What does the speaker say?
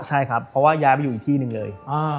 ใช่ครับเพราะว่าย้ายไปอยู่อีกที่หนึ่งเลย